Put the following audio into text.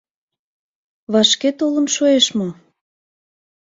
Вашке толын шуэш мо?